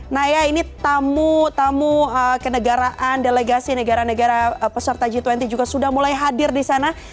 naya ini tamu tamu kenegaraan delegasi negara negara peserta g dua puluh juga sudah mulai hadir di sana